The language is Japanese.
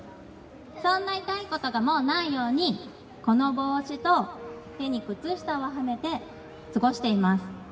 そんな痛いことがもうないように、この帽子と、手に靴下をはめて過ごしています。